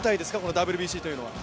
ＷＢＣというのは。